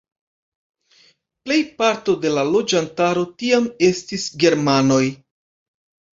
Plejparto de la loĝantaro tiam estis germanoj.